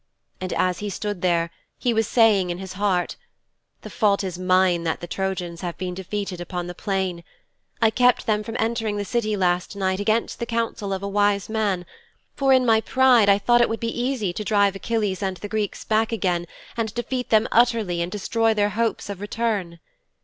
And as he stood there he was saying in his heart, "The fault is mine that the Trojans have been defeated upon the plain. I kept them from entering the City last night against the counsel of a wise man, for in my pride I thought it would be easy to drive Achilles and the Greeks back again and defeat them utterly and destroy their hopes of return.